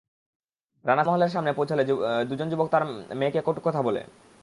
Rana cinema হলের সামনে পৌঁছালে দুজন যুবক তাঁর মেয়েকে কটু কথা বলে।